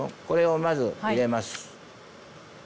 これをまず入れます。